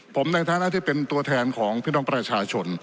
ผมในฐานะที่เป็นตัวแทนของพี่น้องประชาชน